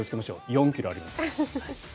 ４ｋｇあります。